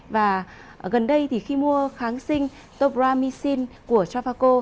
và gần đây thì khi mua kháng sinh topramicin của javaco